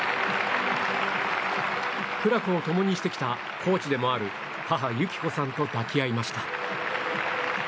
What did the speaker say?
苦楽を共にしてきたコーチでもある母の友紀子さんと抱き合いました。